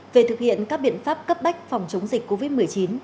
về thực hiện các biện pháp cấp bách phòng chống dịch covid một mươi chín